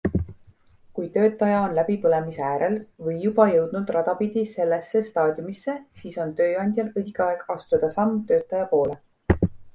Kui töötaja on läbipõlemise äärel või juba jõudnud rada pidi sellesse staadiumisse, siis on tööandjal õige aeg astuda samm töötaja poole.